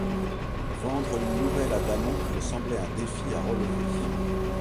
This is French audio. Vendre une nouvelle à Damon me semblait un défi à relever.